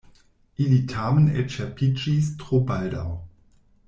Ili tamen elĉerpiĝis tro baldaŭ.